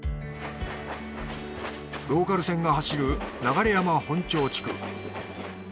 ローカル線が走る流山本町地区。